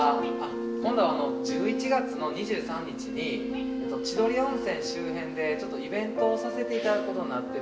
今度１１月の２３日に千鳥温泉周辺でちょっとイベントをさせて頂くことになってまして。